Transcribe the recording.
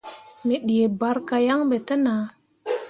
Me dii barka yan ɓe te nah.